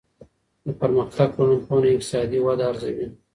د پرمختګ ټولنپوهنه اقتصادي وده ارزوي.